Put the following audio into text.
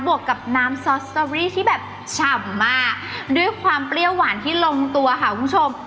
วกกับน้ำซอสสตอรี่ที่แบบฉ่ำมากด้วยความเปรี้ยวหวานที่ลงตัวค่ะคุณผู้ชม